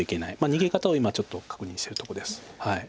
逃げ方を今ちょっと確認してるとこです。